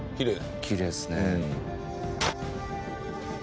きれいですね。